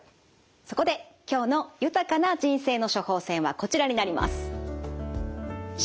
そこで今日の「豊かな人生の処方せん」はこちらになります。